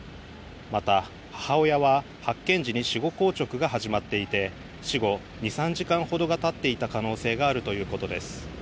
また、母親は発見時に死後硬直が始まっていて死後２３時間ほどがたっていた可能性があるということです。